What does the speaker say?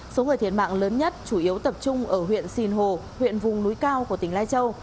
số người thiệt mạng lớn nhất chủ yếu tập trung ở huyện sìn hồ huyện vùng núi cao của tỉnh lai châu